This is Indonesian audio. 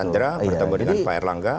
kemudian pantra bertemu dengan pak erlangga